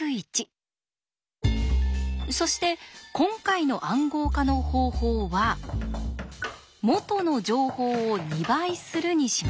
そして今回の暗号化の方法は「元の情報を２倍する」にしましょう。